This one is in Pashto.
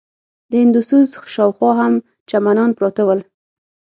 د هندوسوز شاوخوا هم چمنان پراته ول.